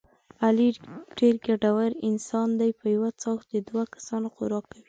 علي ډېر ګېډور انسان دی په یوه څاښت د دوه کسانو خوراک کوي.